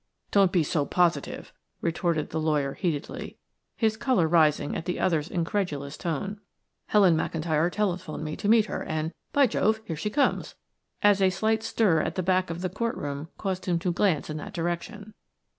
"Don't be so positive," retorted the lawyer heatedly, his color rising at the other's incredulous tone. "Helen McIntyre telephoned me to meet her, and by Jove, here she comes," as a slight stir at the back of the court room caused him to glance in that direction.